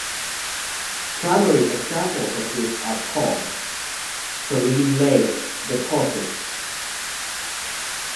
Primary examples of this are called "saline lake deposits".